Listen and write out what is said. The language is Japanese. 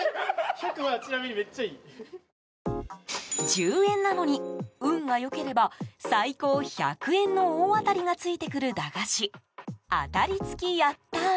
１０円なのに、運が良ければ最高１００円の大当たりがついてくる駄菓子当たり付きヤッター！